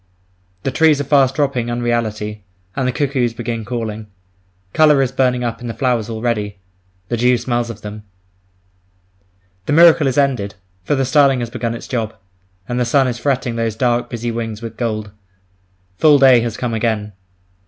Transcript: The trees are fast dropping unreality, and the cuckoos begin calling. Colour is burning up in the flowers already; the dew smells of them. The miracle is ended, for the starling has begun its job; and the sun is fretting those dark, busy wings with gold. Full day has come again.